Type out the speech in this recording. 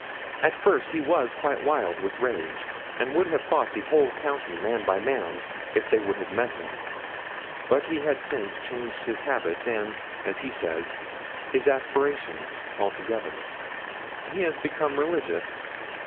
At first he was quite wild with rage, and would have fought the whole county, man by man, if they would have met him. But he had since changed his habits and, as he says, his aspirations altogether.' 'He has become religious.'